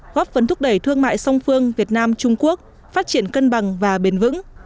góp phần thúc đẩy thương mại song phương việt nam trung quốc phát triển cân bằng và bền vững